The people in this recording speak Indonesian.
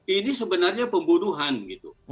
ini sebenarnya pembunuhan gitu